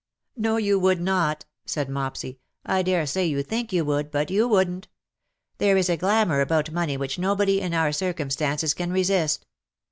''^" No, you would not/' said Mopsy. " I daresay you think you would, but you wouldn't. There is a glamour about money which nobody in our circumstances can resist.